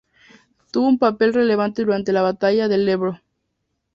Tuvo un papel relevante durante la Batalla del Ebro.